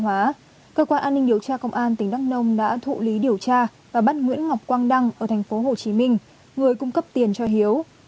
trong lúc đó công an tỉnh đắk nông đã thụ lý điều tra và bắt nguyễn ngọc quang đăng ở tp hcm người cung cấp tiền cho hiếu